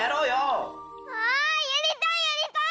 あやりたいやりたい！